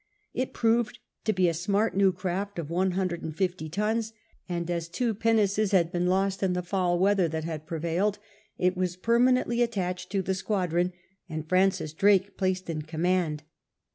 It proved to be a smart new craft of one hundred and fifty tons, and as two pinnaces had been lost in the foul weather that had prevailed, it was permanently attached to the squad ron, and Francis Drake placed in command.